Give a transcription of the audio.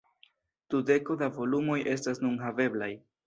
Dudeko da volumoj estas nun haveblaj.